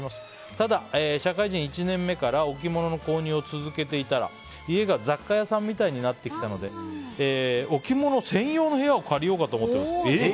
ただ社会人１年目から置き物の購入を続けていたら家が雑貨屋さんみたいになってきたので置き物専用の部屋を借りようかと思っています。